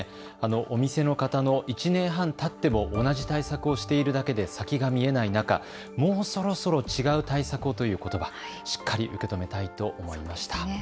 お店の方の１年半たっても同じ対策をしているだけで先が見えない中、もうそろそろ違う対策をということば、しっかり受け止めたいと思いました。